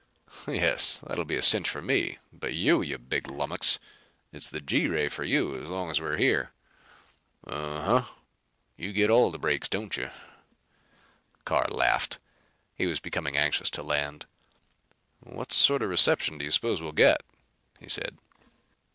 "Yes. It'll be a cinch for me. But you, you big lummox it's the G ray for you as long as we're here." "Uh huh. You get all the breaks, don't you?" Carr laughed. He was becoming anxious to land. "What sort of a reception do you suppose we'll get?" he said.